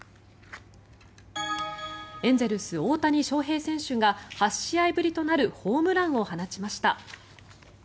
エンゼルス、大谷翔平選手が８試合ぶりとなるホームランを放ちました。